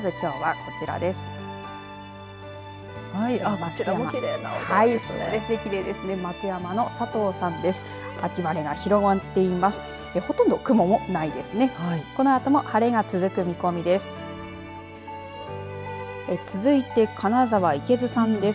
このあとも晴れが続く見込みです。